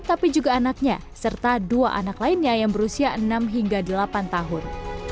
tapi juga anaknya serta dua anak lainnya yang berusia enam hingga delapan tahun